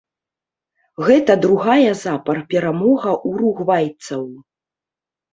Гэта другая запар перамога уругвайцаў.